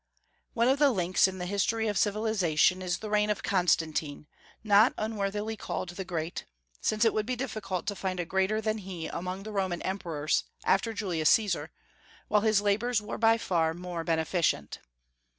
One of the links in the history of civilization is the reign of Constantine, not unworthily called the Great, since it would be difficult to find a greater than he among the Roman emperors, after Julius Caesar, while his labors were by far more beneficent.